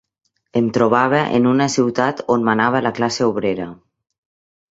Em trobava en una ciutat on manava la classe obrera.